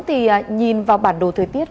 thì nhìn vào bản đồ thời tiết